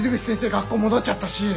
学校戻っちゃったし。